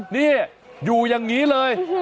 นี่อยู่อย่างนี้เลย